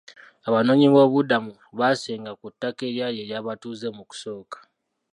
Abanoonyiboobubudamu baasenga ku ttaka eryali ery'abatuuze mu kusooka.